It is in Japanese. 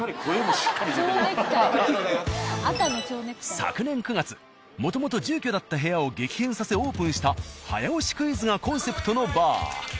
昨年９月もともと住居だった部屋を激変させオープンした早押しクイズがコンセプトのバー。